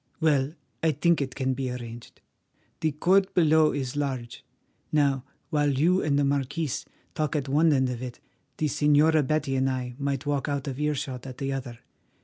Well, I think it can be arranged. The court below is large. Now, while you and the marquis talk at one end of it, the Señora Betty and I might walk out of earshot at the other.